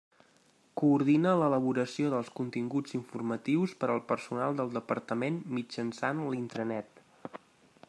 Coordina l'elaboració dels continguts informatius per al personal del Departament mitjançant la intranet.